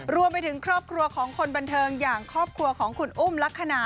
รวมไปถึงครอบครัวของคนบันเทิงอย่างครอบครัวของคุณอุ้มลักษณะ